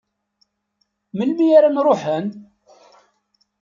Melmi ara n-ruḥen?